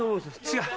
違う！